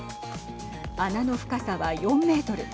穴の深さは４メートル。